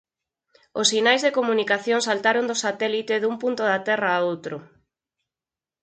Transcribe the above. Os sinais de comunicación saltaron do satélite dun punto da Terra a outro.